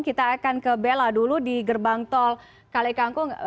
kita akan ke bella dulu di gerbang tol kalikangkung